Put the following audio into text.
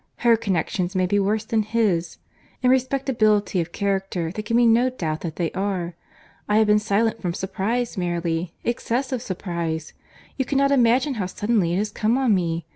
Her connexions may be worse than his. In respectability of character, there can be no doubt that they are. I have been silent from surprize merely, excessive surprize. You cannot imagine how suddenly it has come on me!